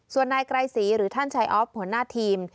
ส่วนนายไกรศรีหรือท่านชายออฟหัวหน้าทีม